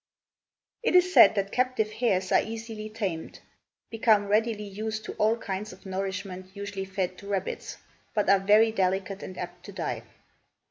It is said that captive hares are easily tamed, become readily used to all kinds of nourishment usually fed to rabbits, but are very delicate and apt to die.